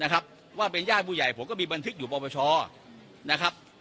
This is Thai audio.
นะครับว่าเป็นญาติผู้ใหญ่ผมก็มีบันทึกอยู่ปปชนะครับ